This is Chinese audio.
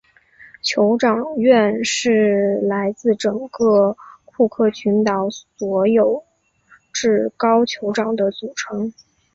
酋长院是来自整个库克群岛所有至高酋长的组成。